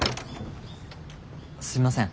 すいません